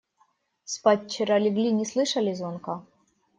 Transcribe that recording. Спать вчера легли, не слышали звонка.